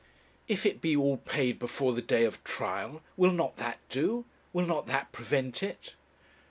If it be all paid before the day of trial, will not that do? will not that prevent it?'